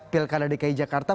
pilkada dki jakarta